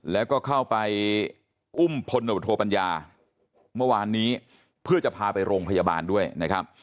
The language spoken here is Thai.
แล้วก็เข้าไปอุ้มพลโนโทปัญญาเมื่อวานนี้เพื่อจะพาไปโรงพยาบาลด้วยนะครับ